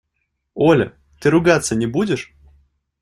– Оля, ты ругаться не будешь?